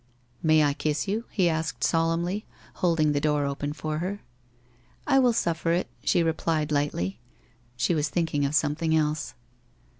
' May I kiss you ?' he asked solemnly, holding the door open for her. * I will suffer it,' she replied lightly. She was thinking of something else.